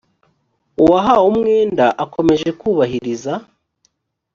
uwahawe umwenda akomeje kubahiriza